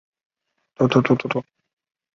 北魏孝昌三年设置魏明郡。